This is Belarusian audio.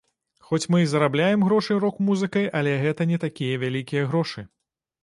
Хоць мы і зарабляем грошы рок-музыкай, але гэта не такія вялікія грошы.